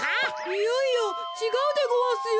いやいやちがうでごわすよ。